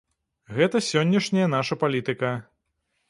Гэта сённяшняя наша палітыка.